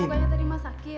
oh semoga tadi mas sakit